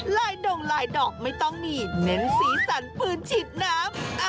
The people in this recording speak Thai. ดงลายดอกไม่ต้องมีเน้นสีสันปืนฉีดน้ำ